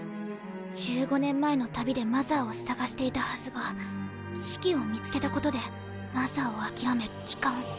１５年前の旅でマザーを探していたはずがシキを見つけたことでマザーを諦め帰還。